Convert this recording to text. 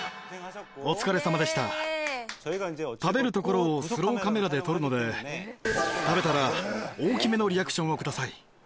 食べるところをスローカメラで撮るので食べたら大きめのリアクションをください。